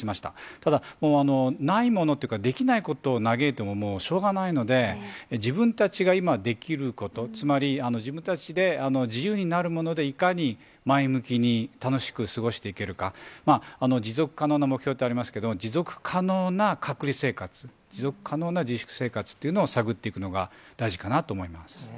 ただ、ないものというかできないことを嘆いてもしょうがないので、自分たちが今、できること、つまり自分たちで自由になるものでいかに前向きに、楽しく過ごしていけるか、持続可能な目標というのがありますけれども、持続可能な隔離生活、持続可能な自粛生活というのを探っていくのが大事かなと思います。